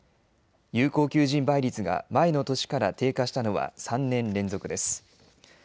有効求人倍率が前の年から低下したのは３年連続です。